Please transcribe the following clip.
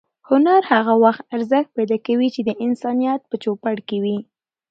هنر هغه وخت ارزښت پیدا کوي چې د انسانیت په چوپړ کې وي.